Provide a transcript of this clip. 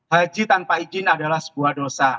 haji tanpa izin adalah sebuah dosa